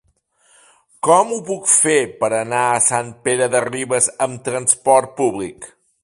Com ho puc fer per anar a Sant Pere de Ribes amb trasport públic?